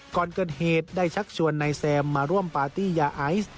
ก่อนเกิดเหตุได้ชักชวนนายแซมมาร่วมปาร์ตี้ยาไอซ์